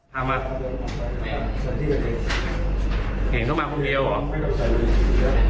ทางมาเห็นเข้ามาคนเดียวเหรอฮะ